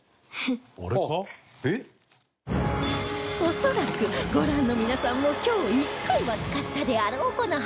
恐らくご覧の皆さんも今日１回は使ったであろうこの発明品